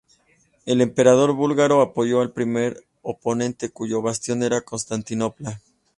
El emperador búlgaro apoyó al primer oponente cuyo bastión era Constantinopla.